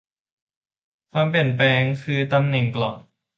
ความเปลี่ยนแปลง คือ ตำแหน่งกล่อง